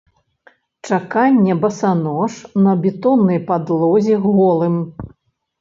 Чаканне басанож на бетоннай падлозе голым.